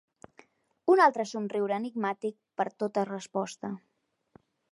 Un altre somriure enigmàtic per tota resposta.